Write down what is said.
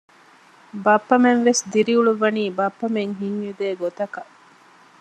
ބައްޕަމެން ވެސް ދިރިއުޅުއްވަނީ ބައްޕަމެން ހިތް އެދޭ ގޮތަކަށް